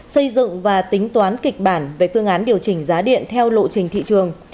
xây dựng và tính toán kịch bản về phương án điều chỉnh giá điện theo lộ trình thị trường